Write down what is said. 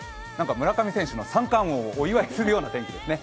村上選手の三冠王をお祝いするような天気ですね。